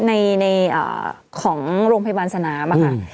ในในอ่าของโรงพยาบาลสนามอ่ะค่ะอืม